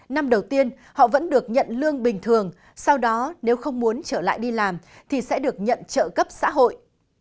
năm đầu tiên họ vẫn được nhận lương bình thường sau đó nếu không muốn trở lại đi làm thì sẽ được nhận trợ cấp xã hội